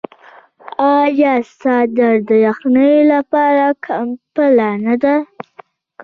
آیا څادر د یخنۍ لپاره کمپله نه ده؟